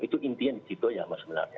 itu intinya di situ saja sebenarnya